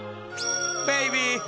ベイビー！